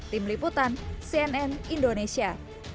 tim liputan cnn indonesia